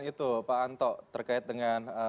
itu pak anto terkait dengan